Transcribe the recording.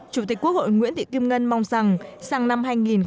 chủ tịch quốc hội nguyễn thị kim ngân mong rằng sang năm hai nghìn một mươi tám